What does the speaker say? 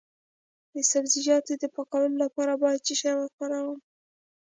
د سبزیجاتو د پاکوالي لپاره باید څه شی وکاروم؟